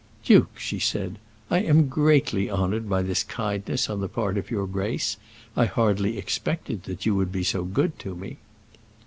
"Duke," she said, "I am greatly honoured by this kindness on the part of your grace. I hardly expected that you would be so good to me."